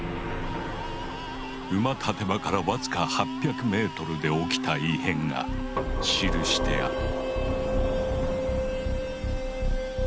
馬立場からわずか８００ｍで起きた異変が記してある。